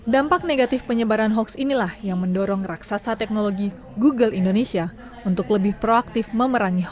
dampak negatif penyebaran hoax inilah yang mendorong raksasa teknologi google indonesia untuk lebih proaktif memerangi hoax